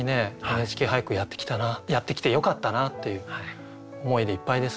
「ＮＨＫ俳句」やってきたなやってきてよかったなという思いでいっぱいですね。